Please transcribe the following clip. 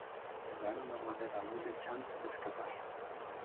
Le rana non habeva ulle chance de escappar.